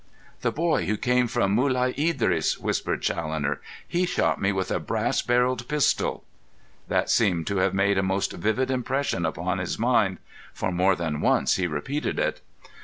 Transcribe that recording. "The boy who came from Mulai Idris," whispered Challoner. "He shot me with a brass barrelled pistol." That seemed to have made a most vivid impression upon his mind, for more than once he repeated it.